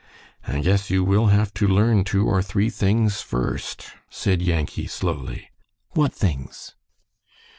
"I guess you will have to learn two or three things first," said Yankee, slowly. "What things?"